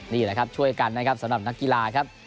นี่แหละครับช่วยกันนะครับสำหรับนักกีฬาครับ